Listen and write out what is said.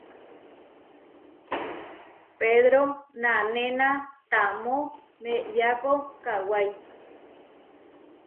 Pedro nanéna tamó meʼeyako kawái.